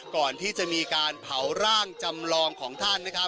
ก่อนที่จะมีการเผาร่างจำลองของท่านนะครับ